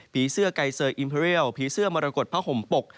เสื้อไกเซอร์อิมเพอเรียลผีเสื้อมรกฏผ้าห่มปก